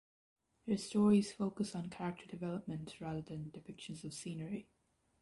Her stories focus on character development rather than depictions of scenery.